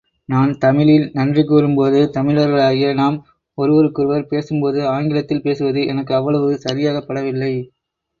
நான் தமிழில் நன்றி கூறும்போது தமிழர்களாகிய நாம் ஒருவருக்கொருவர் பேசும்போது ஆங்கிலத்தில் பேசுவது எனக்கு அவ்வளவு சரியாகப் படவில்லை.